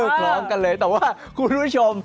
พร้อมกันเลยแต่ว่าคุณผู้ชม